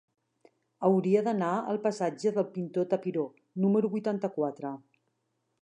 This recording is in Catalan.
Hauria d'anar al passatge del Pintor Tapiró número vuitanta-quatre.